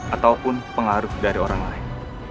ataupun pengaruh dari orang lain